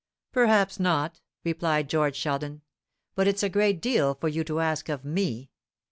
"Perhaps not," replied George Sheldon; "but it's a great deal for you to ask of me.